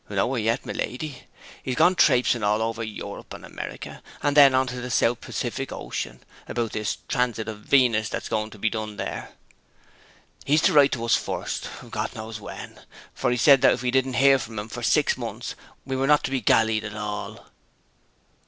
'Nowhere yet, my lady. He's gone traipsing all over Europe and America, and then to the South Pacific Ocean about this Transit of Venus that's going to be done there. He is to write to us first God knows when! for he said that if we didn't hear from him for six months we were not to be gallied at all.'